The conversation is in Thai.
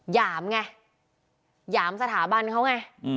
หยามไงหยามสถาบันเขาไง